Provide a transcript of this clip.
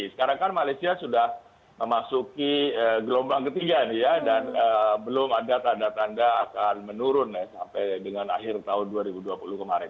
sekarang kan malaysia sudah memasuki gelombang ketiga nih ya dan belum ada tanda tanda akan menurun sampai dengan akhir tahun dua ribu dua puluh kemarin